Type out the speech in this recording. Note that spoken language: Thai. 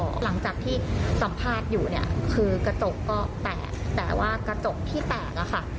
กระจกก็แตกแต่ว่ากระจกที่แตก